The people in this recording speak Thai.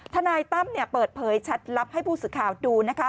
ทนายตั้มเปิดเผยแชทลับให้ผู้สื่อข่าวดูนะคะ